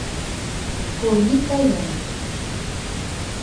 Корий кая.